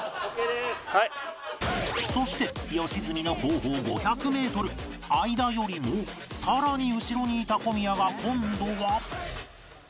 そして良純の後方５００メートル相田よりもさらに後ろにいた小宮が今度は